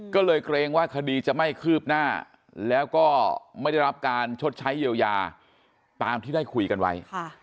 ก็เลยเกรงว่าคดีจะไม่คืบหน้าแล้วก็ไม่ได้รับการชดใช้เยียวยาตามที่ได้คุยกันไว้